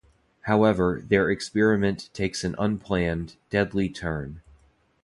However, their experiment takes an unplanned, deadly turn.